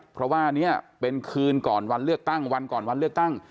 เพราะว่านี้เป็นคืนก่อนวันเลือกตั้งวันก่อนวันเลือกตั้ง